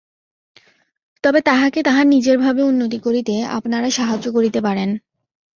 তবে তাহাকে তাহার নিজের ভাবে উন্নতি করিতে আপনারা সাহায্য করিতে পারেন।